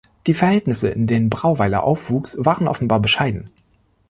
Die Verhältnisse, in denen Brauweiler aufwuchs, waren offenbar bescheiden.